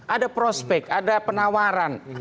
ada prospek ada penawaran